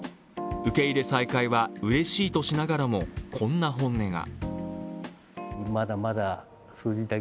受け入れ再開はうれしいとしながらも、こんな本音が。